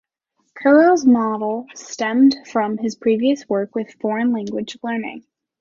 Carroll's model stemmed from his previous work with foreign language learning.